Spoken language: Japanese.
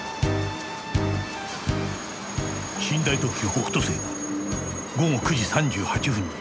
寝台特急北斗星が午後９時３８分に函館に到着する。